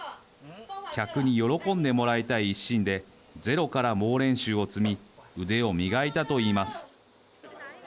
客に喜んでもらいたい一心でゼロから猛練習を積み腕を磨いたといいます。